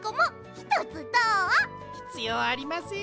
ひつようありません！